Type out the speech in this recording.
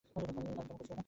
Current কেমন করছিল না?